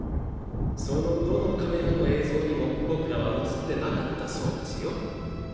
そのどのカメラの映像にも僕らは映ってなかったそうですよ。